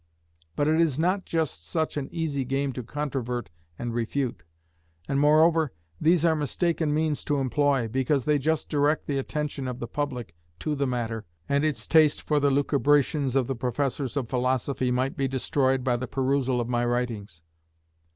But it is not just such an easy game to controvert and refute; and, moreover, these are mistaken means to employ, because they just direct the attention of the public to the matter, and its taste for the lucubrations of the professors of philosophy might be destroyed by the perusal of my writings.